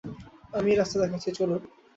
আমিই রাস্তা দেখাচ্ছি, চলুন।